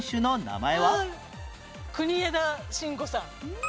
国枝慎吾さん。